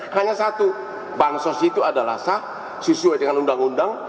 hanya satu bansos itu adalah sah sesuai dengan undang undang